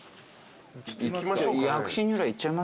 行きましょうかね。